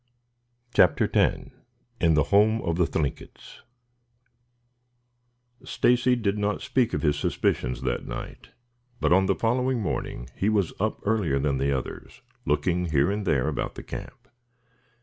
CHAPTER X IN THE HOME OF THE THLINKITS Stacy did not speak of his suspicions that night, but on the following morning he was up earlier than the others, looking here and there about the camp.